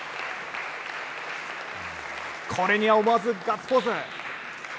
これには思わずガッツポーズ！